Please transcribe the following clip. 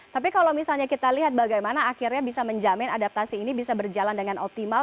tapi kalau misalnya kita lihat bagaimana akhirnya bisa menjamin adaptasi ini bisa berjalan dengan optimal